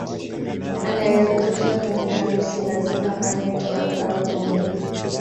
Anayekuja kwenye harusi lazima anywe Togwa au Pombe